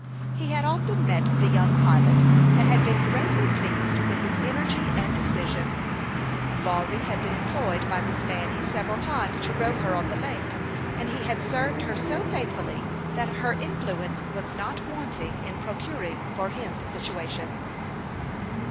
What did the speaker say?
He had often met the young pilot, and had been greatly pleased with his energy and decision. Lawry had been employed by Miss Fanny several times to row her on the lake ; and he had served her so faithfully that her influ ence was not wanting in procuring for him the situation.